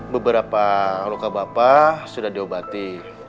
beberapa luka bapak sudah diobati